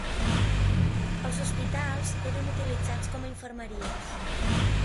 Els hospitals eren utilitzats com a infermeries